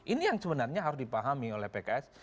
ini yang sebenarnya harus dipahami oleh pks